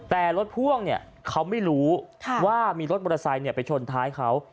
แต่รถพ่วงเนี่ยเขามีรถโปรสไทยไปชนท้ายเค้า